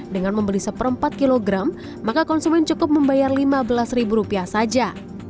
dengan membeli seperempat kilogram maka konsumen cukup membayar lima belas ribu rupiah saja